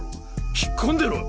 引っ込んでろ！